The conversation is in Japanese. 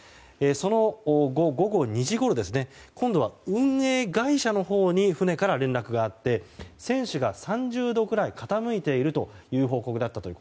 その後、午後２時ごろ今度は、運営会社のほうに船から連絡があって船首が３０度ぐらい傾いているという報告だったと。